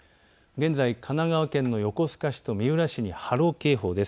現在、神奈川県の横須賀市と三浦市に波浪警報です。